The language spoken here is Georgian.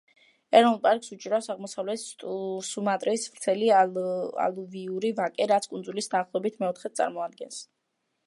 ეროვნულ პარკს უჭირავს აღმოსავლეთ სუმატრის ვრცელი ალუვიური ვაკე, რაც კუნძულის დაახლოებით მეოთხედს წარმოადგენს.